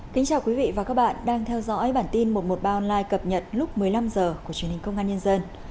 kính chào quý vị và các bạn đang theo dõi bản tin một trăm một mươi ba online cập nhật lúc một mươi năm h của truyền hình công an nhân dân